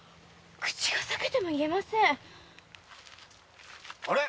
口が裂けても言えませんあれ？